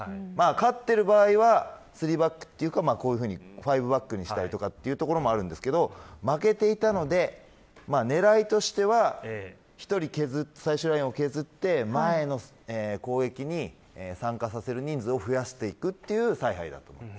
勝っている場合は３バックとか５バックにしたりということもあるんですが負けていたのでねらいとしては、１人削って最終ラインを削って前の攻撃に参加させる人数を増やしていくという采配でした。